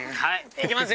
いきます